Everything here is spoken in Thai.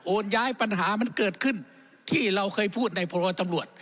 ย้ายปัญหามันเกิดขึ้นที่เราเคยพูดในพรบตำรวจ